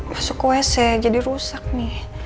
masuk ke wc jadi rusak nih